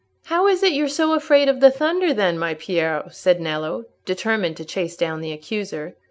"How is it you're so afraid of the thunder, then, my Piero?" said Nello, determined to chase down the accuser.